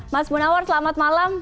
mas munawar selamat malam